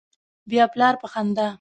بیا پلار په خندا